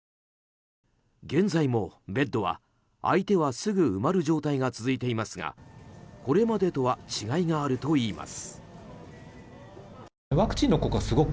現在もベッドは空いてはすぐ埋まる状況が続いていますが、これまでとは違いがあるといいます。